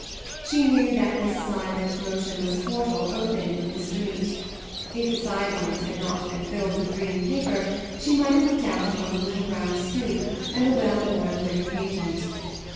She knew that this silent, motionless portal opened into the street; if the sidelights had not been filled with green paper she might have looked out upon the little brown stoop and the well worn brick pavement.